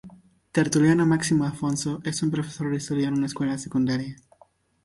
Tertuliano Máximo Afonso es un profesor de historia en una escuela secundaria.